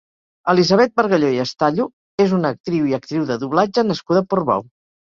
Elisabet Bargalló i Estallo és una actriu i actriu de doblatge nascuda a Portbou.